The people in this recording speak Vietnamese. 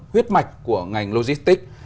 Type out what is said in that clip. huyết mạch của ngành logistics